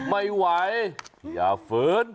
ไม่ไหวอย่าฝืน